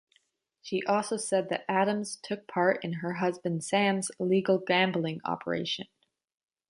She also said that Adams took part in her husband Sam's illegal gambling operation.